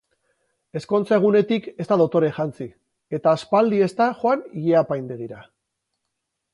Ezkontza-egunetik ez da dotore jantzi, eta aspaldi ez da joan ile-apaindegira.